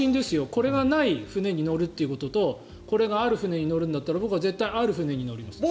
これがない船に乗るということとこれがある船に乗るんだったら僕は絶対、ある船に乗ります。